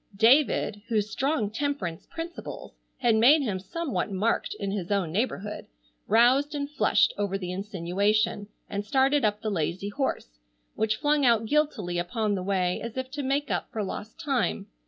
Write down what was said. David, whose strong temperance principles had made him somewhat marked in his own neighborhood, roused and flushed over the insinuation, and started up the lazy horse, which flung out guiltily upon the way as if to make up for lost time.